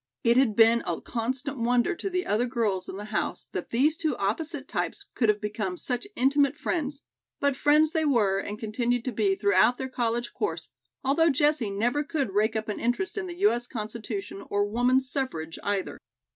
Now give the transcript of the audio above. It had been a constant wonder to the other girls in the house that these two opposite types could have become such intimate friends; but friends they were, and continued to be throughout their college course, although Jessie never could rake up an interest in the U. S. Constitution or woman's suffrage, either.